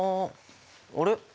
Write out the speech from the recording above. あれ？